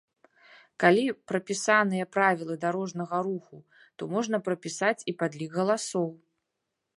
Калі прапісаныя правілы дарожнага руху, то можна прапісаць і падлік галасоў.